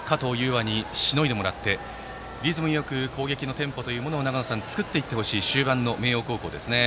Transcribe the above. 羽にしのいでもらってリズムよく攻撃のテンポを作っていってほしい終盤の明桜高校ですね。